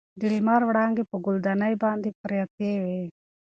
د لمر وړانګې په ګل دانۍ باندې پرتې وې.